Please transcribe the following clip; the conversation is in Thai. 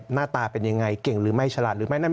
หน้าตาเป็นอย่างไรเก่งหรือไม่ฉลาด